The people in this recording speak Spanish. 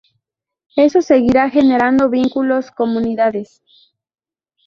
Eso seguirá generando vínculos, comunidades…""